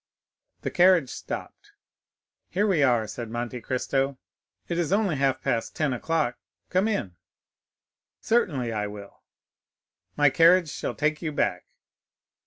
The carriage stopped. "Here we are," said Monte Cristo; "it is only half past ten o'clock, come in." "Certainly, I will." "My carriage shall take you back."